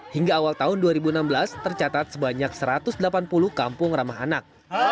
hingga awal tahun dua ribu enam belas tercatat sebanyak satu ratus delapan puluh kampung ramah anak